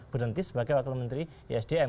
berhenti sebagai wakil menteri isdm